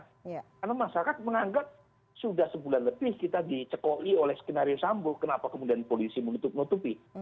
karena masyarakat menganggap sudah sebulan lebih kita dicekoi oleh skenario sambu kenapa kemudian polisi menutup nutupi